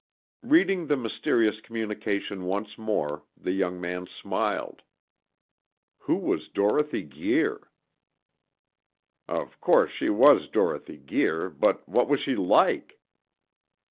Reading the mysterious communication once more, the young man smiled. Who was Dorothy Guir? Of course she was Dorothy Guir, but what was she like?